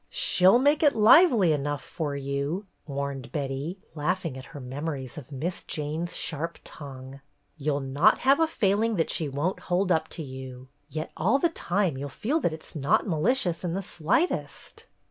" She 'll make it lively enough for you !" warned Betty, laughing at her memories of Miss Jane's sharp tongue. "You 'll not have a failing that she won't hold up to you. Yet all the time you 'll feel that it 's not malicious in the slightest."